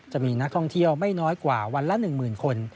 จะมีนักท่องเที่ยวไม่น้อยกว่าวันละ๑๐๐๐คน